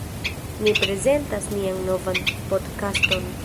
Ni prezentas nian novan podkaston.